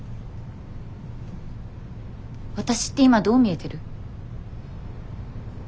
わたしって今どう見えてる？